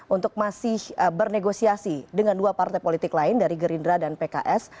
untuk masih bernegosiasi dengan dua partai politik lain dari gerindra dan pks